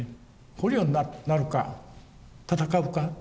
捕虜になるか戦うか。